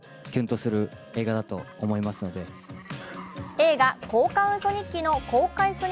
映画「交換ウソ日記」の公開初日